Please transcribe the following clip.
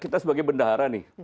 kita sebagai bendahara nih